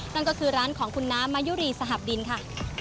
นั่นก็คือร้านของคุณน้ำมายุรีสหับดินค่ะ